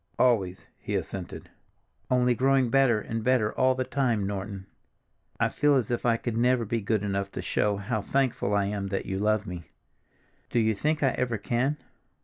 "Always," he assented. "Only growing better and better all the time, Norton. I feel as if I could never be good enough to show how thankful I am that you love me. Do you think I ever can?"